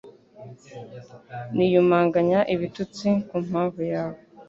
Niyumanganya ibitutsi ku mpamvu yawe